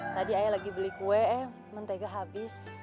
tadi ayo lagi beli kue mentega habis